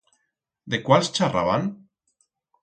De cuáls charraban?